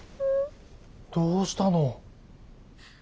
どうしたの？